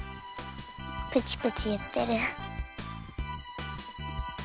プチプチいってる。